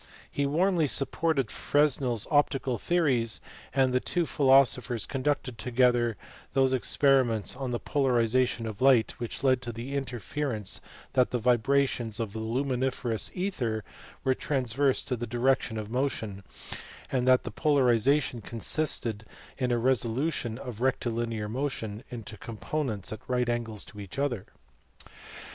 He warmly supported Fresnel s optical theories, and the two philosophers conducted together those experiments on the polar ization of light which led to the inference that the vibrations of the luminiferous ether were transverse to the direction of motion, and that polarization consisted in a resolution of recti linear motion into components at right angles to each other.